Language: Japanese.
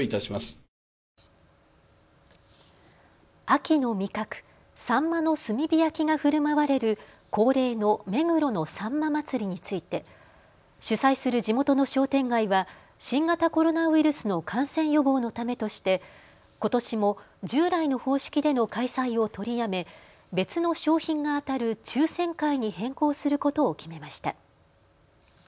秋の味覚、サンマの炭火焼きがふるまわれる恒例の目黒のさんま祭りについて主催する地元の商店街は新型コロナウイルスの感染予防のためとして、ことしも従来の方式での開催を取りやめ別の賞品が当たる抽せん会に変更することを決めました。